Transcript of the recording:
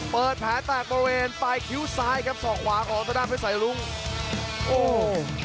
เปิดแผนแตกบริเวณปลายคิ้วซ้ายครับส่องขวาของตัวนั้นไปใส่ลุงโอ้โห